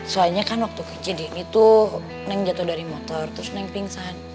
soalnya kan waktu kejadian itu neng jatuh dari motor terus neng pingsan